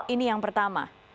ini yang pertama